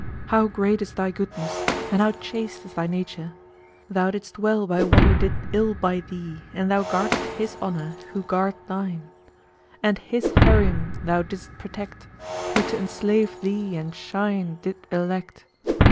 how great is thy goodness and how chaste is thy nature! thou didst well by one who did ill by thee and thou guardedst his honour who garred thine become dishonour, and his Harim thou didst protect who to enslave thee and thine did elect!